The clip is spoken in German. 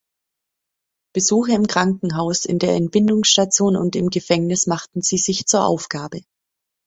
Besuche im Krankenhaus, in der Entbindungsstation und im Gefängnis machten sie sich zur Aufgabe.